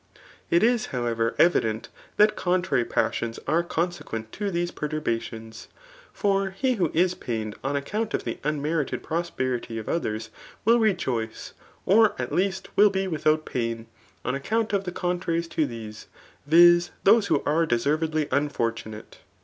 It is however evident that contrary passions are conse quent [to these perturbations.]) For he who is pained on account of the unmerited prosperity of others, will rejoice, or at least will be without pain, on account of the contraries to these, viz. those who are deservedly unfortunate.